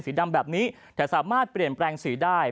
สีดำแบบนี้แต่สามารถเปลี่ยนแปลงสีได้